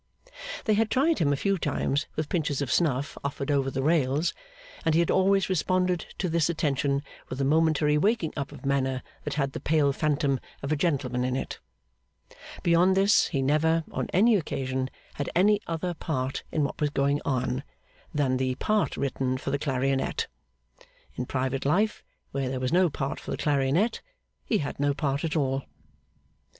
They had tried him a few times with pinches of snuff offered over the rails, and he had always responded to this attention with a momentary waking up of manner that had the pale phantom of a gentleman in it: beyond this he never, on any occasion, had any other part in what was going on than the part written out for the clarionet; in private life, where there was no part for the clarionet, he had no part at all.